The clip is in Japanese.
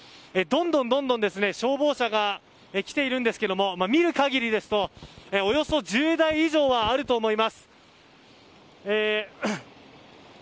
どんどん消防車が来ているんですけども見る限りですとおよそ１０台以上はあると思います。